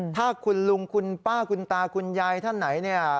ถ้าคุณลุงคุณป้าคุณตาคุณยายท่านไหนเนี่ย